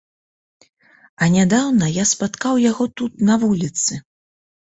А нядаўна я спаткаў яго тут на вуліцы.